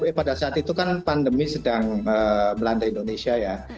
tapi pada saat itu kan pandemi sedang melanda indonesia ya